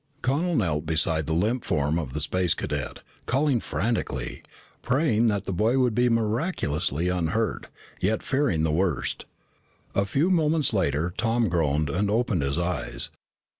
Connel knelt beside the limp form of the Space Cadet, calling frantically, praying that the boy would be miraculously unhurt, yet fearing the worst. A few moments later Tom groaned and opened his eyes.